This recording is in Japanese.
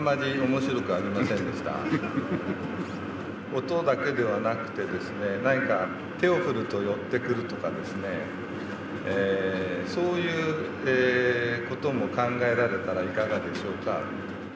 音だけではなくて何か手を振ると寄ってくるとかそういう事も考えられたらいかがでしょうか？